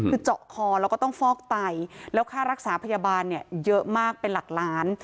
คือเจาะคอแล้วก็ต้องฟอกไตแล้วค่ารักษาพยาบาลเนี่ยเยอะมากเป็นหลักล้าน